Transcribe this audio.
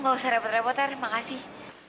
oh gak usah repot repot ter makasih